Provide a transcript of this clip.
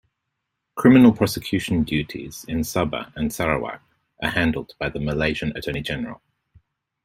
Criminal prosecution duties in Sabah and Sarawak are handled by the Malaysian A-G.